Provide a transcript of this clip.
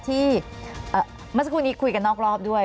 เมื่อสักครู่นี้คุยกันนอกรอบด้วย